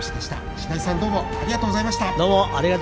白井さんどうもありがとうございました。